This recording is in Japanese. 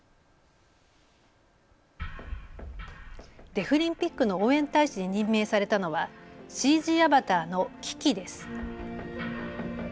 デフリンピックの応援大使に任命されたのはＣＧアバターのＫＩＫＩです。